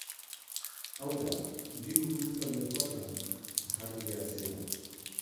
Hau da, diru publikoa merkatuan jarri behar zela.